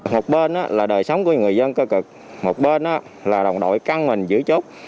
một bên là đời sống của người dân cơ một bên là đồng đội căng mình giữ chốt